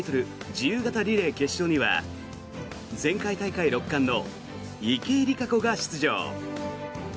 自由形リレー決勝には前回大会６冠の池江璃花子が出場。